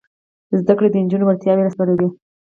زده کړه د نجونو وړتیاوې راسپړي.